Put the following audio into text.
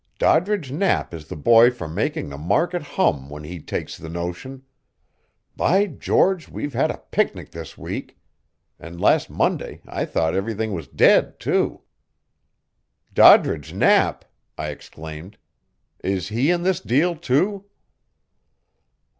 Doddridge Knapp is the boy for making the market hum when he takes the notion. By George, we've had a picnic this week! And last Monday I thought everything was dead, too!" "Doddridge Knapp!" I exclaimed. "Is he in this deal, too?"